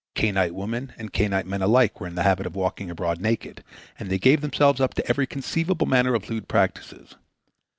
Cainite women and Cainite men alike were in the habit of walking abroad naked, and they gave themselves up to every conceivable manner of lewd practices.